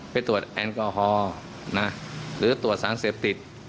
ไปตรวจแอลกอฮอล์หรือตรวจสารเสพติด